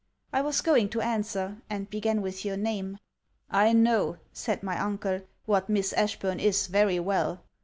I was going to answer, and began with your name. 'I know,' said my uncle, 'what Miss Ashburn is very well!